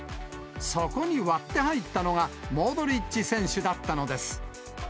そこに割って入ったのが、モドリッチ選手だったのです。